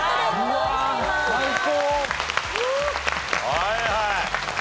はいはい。